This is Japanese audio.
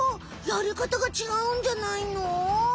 やり方が違うんじゃないの！？